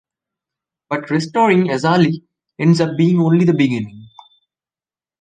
But restoring Azalie ends up being only the beginning...